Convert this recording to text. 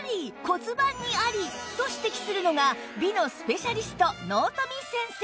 骨盤にありと指摘するのが美のスペシャリスト納富先生